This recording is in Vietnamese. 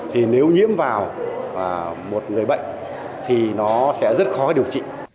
thì nếu nhiễm vào một người bệnh thì nó sẽ rất khó điều trị